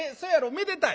めでたい。